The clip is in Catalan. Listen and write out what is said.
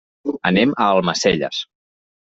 Anem a Almacelles.